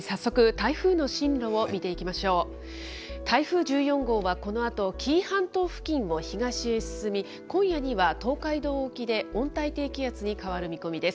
台風１４号はこのあと、紀伊半島付近を東へ進み、今夜には東海道沖で温帯低気圧に変わる見込みです。